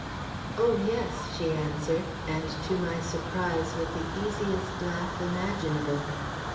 "Oh, yes," she answered, and to my surprise with the easiest laugh imaginable.